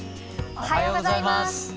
おはようございます。